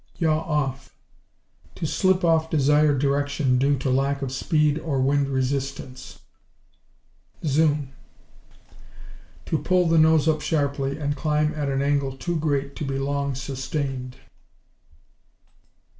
Yaw off To slip off desired direction due to lack of speed or wind resistance. Zoom To pull the nose up sharply and climb at an angle too great to be long sustained.